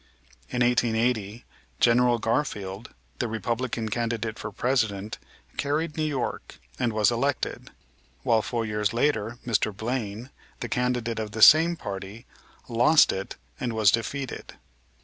In 1880 General Garfield, the Republican candidate for President, carried New York, and was elected; while four years later Mr. Blaine, the candidate of the same party, lost it and was defeated.